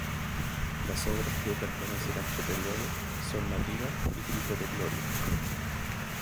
Las obras que pertenecen a este período son Nativa y Grito de Gloria.